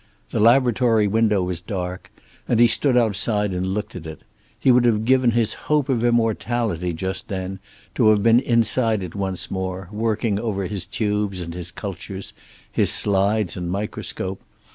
The laboratory window was dark, and he stood outside and looked at it. He would have given his hope of immortality just then to have been inside it once more, working over his tubes and his cultures, his slides and microscope.